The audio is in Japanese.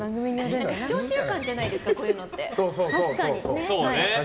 視聴習慣じゃないですかこういうのって。